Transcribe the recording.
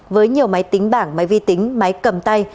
với nhiều máy tính bảng máy vi tính máy cầm tay